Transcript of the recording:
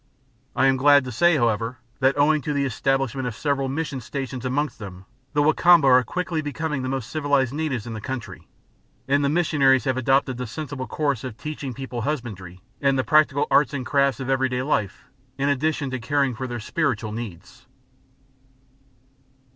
I am glad to say, however, that owing to the establishment of several Mission Stations amongst them, the Wa Kamba are quickly becoming the most civilised natives in the country; and the missionaries have adopted the sensible course of teaching the people husbandry and the practical arts and crafts of everyday life, in addition to caring for their spiritual needs.